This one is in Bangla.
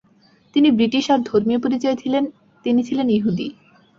তিনি ব্রিটিশ আর ধর্মীয় পরিচয়ে তিনি ছিলেন ইহুদি।